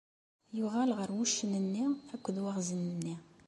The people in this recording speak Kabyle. Yuɣal ɣer wuccen-nni akked Waɣzen-nni.